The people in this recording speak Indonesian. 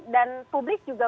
dan publik juga